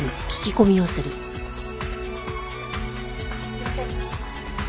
すみません。